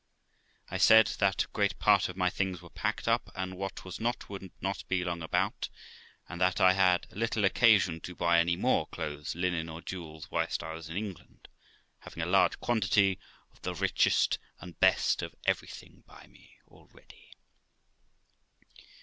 I said, that great part of my things were packed up, and what was not would not be long about, and that I had little occasion to buy any more clothes, linen, or jewels, whilst I was in England, having a large quantity of the richest and best of everything by me already.